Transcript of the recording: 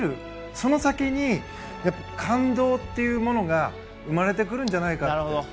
その先に感動っていうものが生まれてくるんじゃないかと。